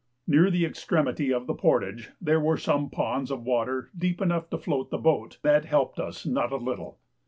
Near the extremity of the portage there were some ponds of water deep enough to float the boat, that helped us not a little.